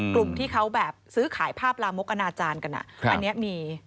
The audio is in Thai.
กลุ่มที่เขาแบบซื้อขายภาพลามกอนาจารย์กันอันนี้มี